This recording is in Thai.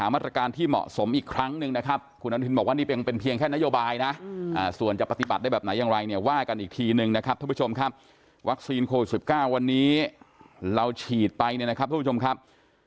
วัคซีนโควิด๑๙วันนี้เราฉีดไปเนี่ยนะครับทุกผู้ชมครับ